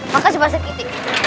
makasih pak sergi ti